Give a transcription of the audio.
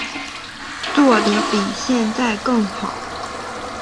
做得比现在更好